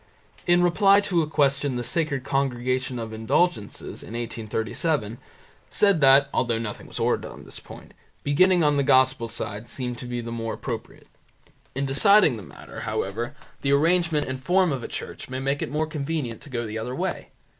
In reply to a question the Sacred Congregation of Indulgences, in 1837, said that, although nothing was ordered on this point, beginning on the Gospel side seemed to be the more appropriate. In deciding the matter, however, the arrangement and form of a church may make it more convenient to go the other way.